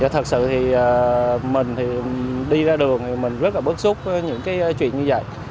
thật sự thì mình đi ra đường thì mình rất là bất xúc những cái chuyện như vậy